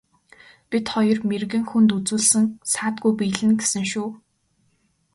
Бид хоёр мэргэн хүнд үзүүлсэн саадгүй биелнэ гэсэн шүү.